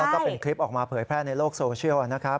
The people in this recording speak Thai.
แล้วก็เป็นคลิปออกมาเผยแพร่ในโลกโซเชียลนะครับ